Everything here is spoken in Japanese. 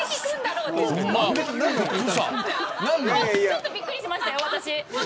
ちょっとびっくりしましたよ、私。